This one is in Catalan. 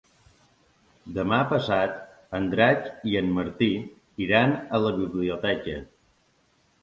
Demà passat en Drac i en Martí iran a la biblioteca.